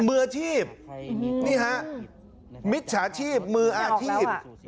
มือชีพนี่ฮะมิตรชาชีพมืออาทิตย์